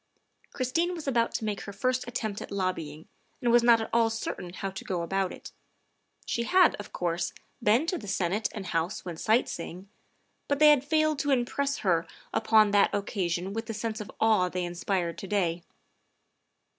Christine was about to make her first attempt at lobby ing, and was not at all certain how to go about it. She had, of course, been to the Senate and House when sight seeing, but they had failed to impress her upon that THE SECRETARY OF STATE 41 occasion with the sense of awe they inspired to day.